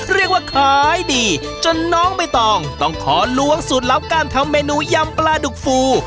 เรียกว่าขายดีจนน้องใบตองต้องขอล้วงสูตรลับการทำเมนูยำปลาดุกฟู